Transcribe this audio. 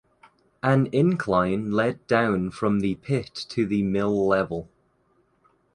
An incline led down from the pit to the mill level.